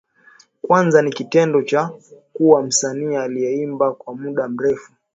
Kwanza ni kitendo cha kuwa msanii aliyeimba kwa muda mrefu